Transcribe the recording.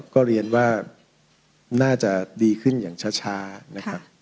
ก็เรียนว่าน่าจะดีขึ้นอย่างช้านะครับ